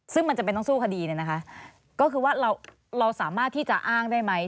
ซึ่งมันจำเป็นต้องสู้คดีเนี่ยนะคะก็คือว่าเราสามารถที่จะอ้างได้ไหม